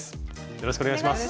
よろしくお願いします。